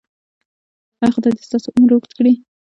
ایا خدای دې ستاسو عمر اوږد کړي؟